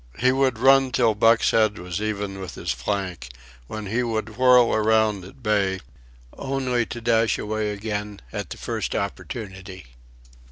He would run till Buck's head was even with his flank, when he would whirl around at bay, only to dash away again at the first opportunity.